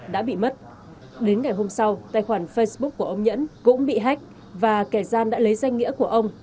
đã bị mất đến ngày hôm sau tài khoản facebook của ông nhẫn cũng bị hách và kẻ gian đã lấy danh nghĩa của ông